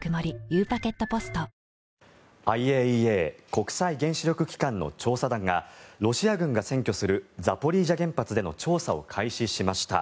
ＩＡＥＡ・国際原子力機関の調査団がロシア軍が占拠するザポリージャ原発での調査を開始しました。